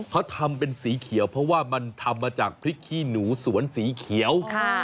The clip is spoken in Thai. เขาทำเป็นสีเขียวเพราะว่ามันทำมาจากพริกขี้หนูสวนสีเขียว